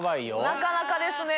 なかなかですね。